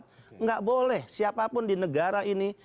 tidak boleh siapapun di negara ini